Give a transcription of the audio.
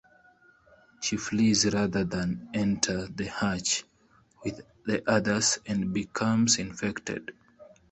She flees rather than enter the hatch with the others and becomes infected.